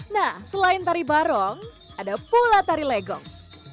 nah selain tari barong ada pula tari legong